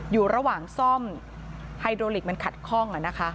อยู่ระหว่างซ่อมไฮโดลิกมันขัดข้อง